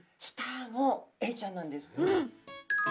スターのエイちゃんなんです。